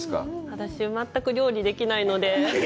私、全く料理できないので。